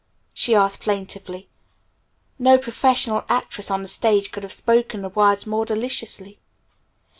she asked plaintively. No professional actress on the stage could have spoken the words more deliciously.